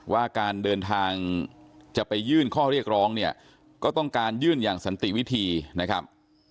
ว่าการเดินทางจะไปยื่นข้อเรียกร้องเนี่ยก็ต้องการยื่นอย่างสันติวิธีนะครับ